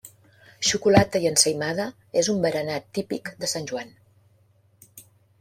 Xocolata i ensaïmada és un berenar típic de Sant Joan.